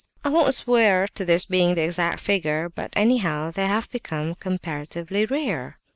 I won't swear to this being the exact figure, but anyhow they have become comparatively rare."